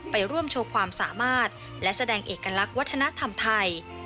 ไปร่วมโชว์ความสามารถและแสดงเอกลักษณ์วัฒนธรรมไทย